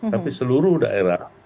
tapi seluruh daerah